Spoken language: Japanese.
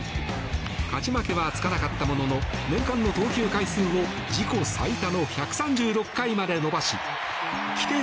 勝ち負けはつかなかったものの年間の投球回数を自己最多の１３６回まで伸ばし規定